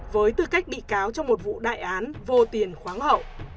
với tư cách bị cáo trong một vụ đại án vô tiền khoáng hậu